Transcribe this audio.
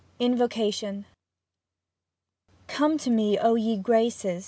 XLI INVOCATION Come to me, O ye graces.